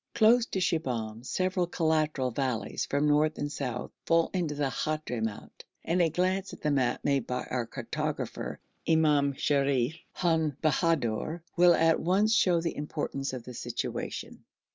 Close to Shibahm several collateral valleys from north and south fall into the Hadhramout, and a glance at the map made by our chartographer, Imam Sharif, Khan Bahadur, will at once show the importance of this situation.